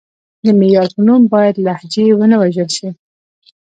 د معیار په نوم باید لهجې ونه وژل شي.